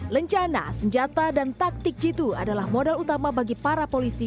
lencana senjata dan taktik jitu adalah modal utama bagi para polisi